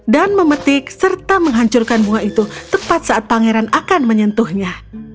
dan memetik serta menghancurkan bunga itu tepat saat pangeran akan menyentuhnya